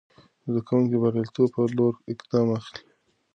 زده کوونکي د بریالیتوب په لور قدم اخلي.